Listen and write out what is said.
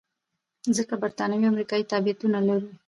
ځکه بریتانوي او امریکایي تابعیتونه لرو.